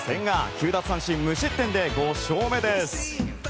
９奪三振無失点で５勝目です！